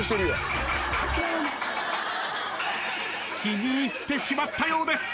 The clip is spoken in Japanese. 気に入ってしまったようです。